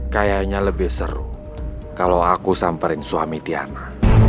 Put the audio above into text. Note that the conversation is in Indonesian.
kayaknya lebih seru kalau aku samperin suami tiana